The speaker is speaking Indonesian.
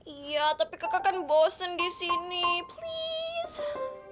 iya tapi kakak kan bosen di sini plus